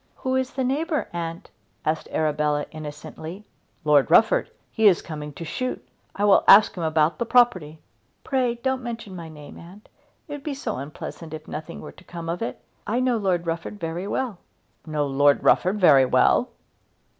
"Who is the neighbour, aunt?" asked Arabella, innocently. "Lord Rufford. He is coming to shoot. I will ask him about the property." "Pray don't mention my name, aunt. It would be so unpleasant if nothing were to come of it. I know Lord Rufford very well." "Know Lord Rufford very well!"